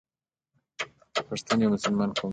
پښتون یو مسلمان قوم دی.